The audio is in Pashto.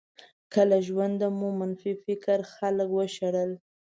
که له ژونده مو منفي فکره خلک وشړل.